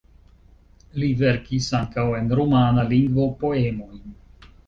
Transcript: Li verkis ankaŭ en rumana lingvo poemojn.